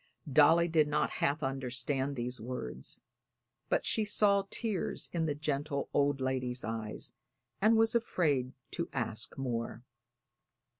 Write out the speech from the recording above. Dolly did not half understand these words, but she saw tears in the gentle old lady's eyes and was afraid to ask more.